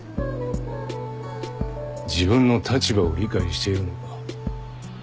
自分の立場を理解しているのか？